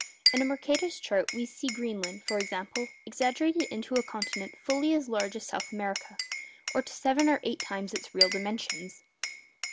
In a Mercator's chart we see Greenland, for example, exaggerated into a continent fully as large as South America, or to seven or eight times its real dimensions.